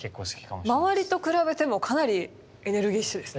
周りと比べてもかなりエネルギッシュですね。